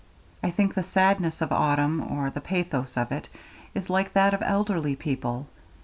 I think the sadness of autumn, or the pathos of it, is like that of elderly people.